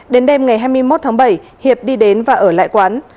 đến đêm ngày hai mươi một tháng bảy hiệp đi đến và ở lại quán